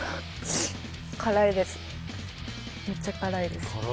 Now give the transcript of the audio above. めっちゃ辛いです